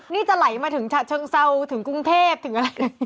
นี่จะไหลมาถึงฉะเชิงเซาถึงกรุงเทพถึงอะไร